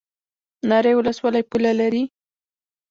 ناری ولسوالۍ پوله لري؟